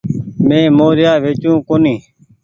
مين موريآ ويچو ڪونيٚ ۔